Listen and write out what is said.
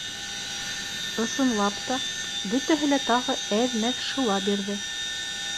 Ысынлап та, бөтәһе лә тағы әҙ-мәҙ шыла бирҙе.